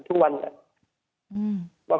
ภรรยาคนเดียวครับ